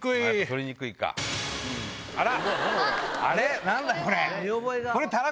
あら？